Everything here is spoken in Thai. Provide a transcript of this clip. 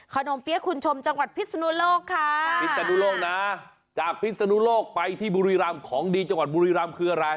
เปี๊ยะคุณชมจังหวัดพิศนุโลกค่ะพิศนุโลกนะจากพิศนุโลกไปที่บุรีรำของดีจังหวัดบุรีรำคืออะไร